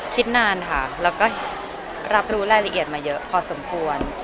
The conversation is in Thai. คิดนานค่ะแล้วก็รับรู้รายละเอียดมาเยอะพอสมควร